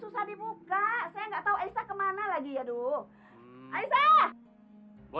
saya di rumah aja ya